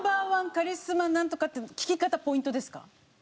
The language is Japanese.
カリスマなんとかって聞き方ポイントですか？